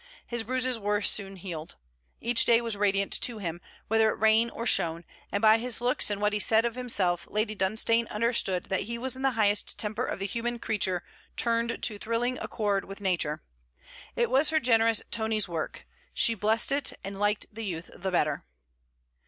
His bruises were soon healed. Each day was radiant to him, whether it rained or shone; and by his looks and what he said of himself Lady Dunstane understood that he was in the highest temper of the human creature tuned to thrilling accord with nature. It was her generous Tony's work. She blessed it, and liked the youth the better.